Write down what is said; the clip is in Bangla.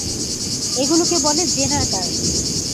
এগুলোকে বলে জেনার কার্ড।